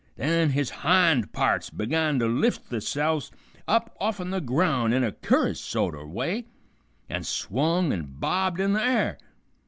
Then his hind parts began to lift themse'fs up offen the ground in a cur'ous sort o' way, and swung an' bobbed in the air.